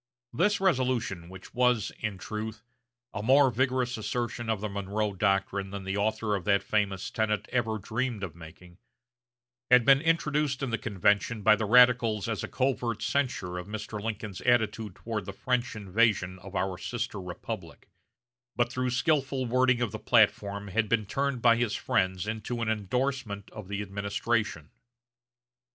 This resolution, which was, in truth, a more vigorous assertion of the Monroe Doctrine than the author of that famous tenet ever dreamed of making, had been introduced in the convention by the radicals as a covert censure of Mr. Lincoln's attitude toward the French invasion of our sister republic; but through skilful wording of the platform had been turned by his friends into an indorsement of the administration.